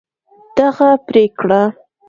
دغه پرېکړه